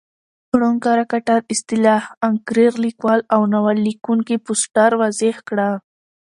رونډ کرکټراصطلاح انکرېرلیکوال اوناول لیکوونکي فوسټر واضع کړه.